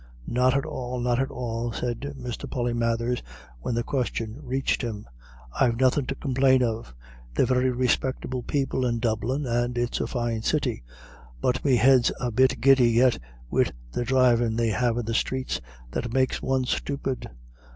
"Not at all, not at all," said Mr. Polymathers, when the question reached him. "I've nothin' to complain of. They're very respectable people in Dublin, and it's a fine city. But me head's a bit giddy yet wid the drivin' they have in the streets, that makes one stupid.